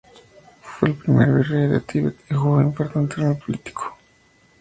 Fue el primer virrey del Tíbet y jugó un importante rol político.